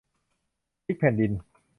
พลิกแผ่นดิน